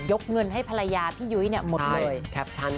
เงินให้ภรรยาพี่ยุ้ยหมดเลย